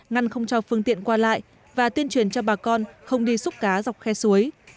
ngăn không cho phương tiện qua lại và tuyên truyền cho bà con không đi xúc cá dọc khe suối